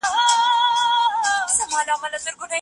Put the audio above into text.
انسانان د بدبختیو په وخت کي وازمایئ.